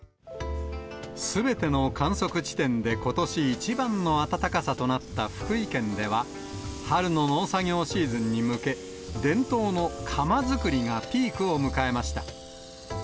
すべての観測地点でことし一番の暖かさとなった福井県では、春の農作業シーズンに向け、伝統の鎌作りがピークを迎えました。